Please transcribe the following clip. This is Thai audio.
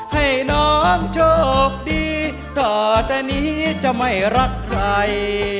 ให้น้องโชคดีต่อแต่นี้จะไม่รักใคร